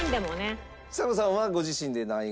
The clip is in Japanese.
ちさ子さんはご自身で何位ぐらい？